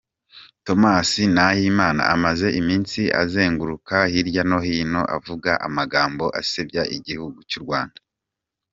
Tomas Nahimana , amaze iminsi azenguruka hirya nohino avuga amagambo asebya igihugu cy’u Rwanda.